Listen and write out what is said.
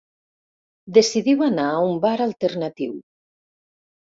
Decidiu anar a un bar alternatiu.